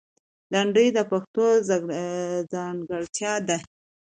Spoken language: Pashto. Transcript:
لندۍ د پښتو ځانګړتیا ده